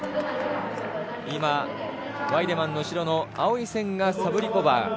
今、ワイデマンの後ろの青い線がサブリコバー。